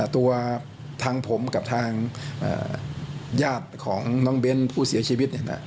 ตัวทางผมกับทางญาติของน้องเบ้นผู้เสียชีวิต